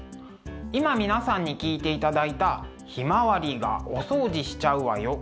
今皆さんに聴いていただいた「ひまわりがお掃除しちゃうわよ」。